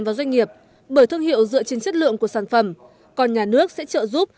vào doanh nghiệp bởi thương hiệu dựa trên chất lượng của sản phẩm còn nhà nước sẽ trợ giúp